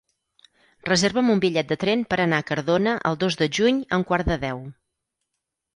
Reserva'm un bitllet de tren per anar a Cardona el dos de juny a un quart de deu.